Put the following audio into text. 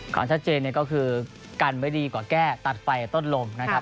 ความชัดเจนก็คือกันไว้ดีกว่าแก้ตัดไฟต้นลมนะครับ